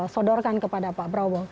sodorkan kepada pak brawo